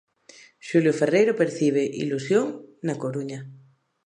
Xulio Ferreiro percibe "ilusión" na Coruña.